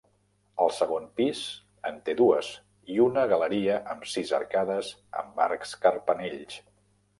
El segon pis en té dues i una galeria amb sis arcades amb arcs carpanells.